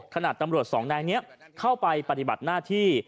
ตำรวจสองนายนี้เข้าไปปฏิบัติหน้าที่